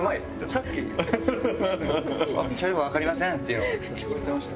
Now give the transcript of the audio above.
さっき「わかりません」っていうの聞こえてました。